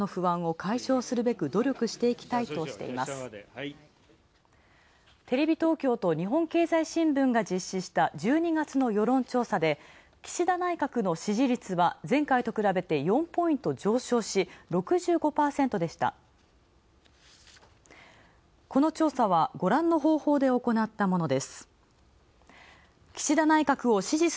この調査はごらんの方法でおこなったものです。